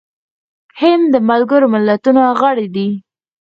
هند د ملګرو ملتونو غړی دی.